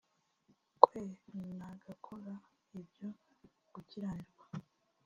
kwe n agakora ibyo gukiranirwa